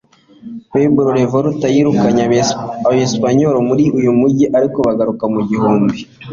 Pueblo Revolt yirukanye Abesipanyoli muri uyu mujyi , ariko bagaruk mu gihumbi